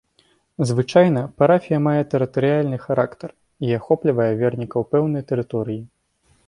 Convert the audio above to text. Звычайна, парафія мае тэрытарыяльны характар і ахоплівае вернікаў пэўнай тэрыторыі.